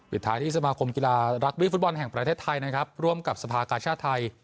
สุดท้ายที่สมาคมกีฬารักบี้ฟุตบอลแห่งประเทศไทยนะครับร่วมกับสภากาชาติไทย